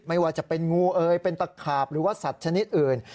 ไม่ว่าจะเป็นงูเอยเป็นตะขาบหรือว่าสัตว์ชนิดอื่น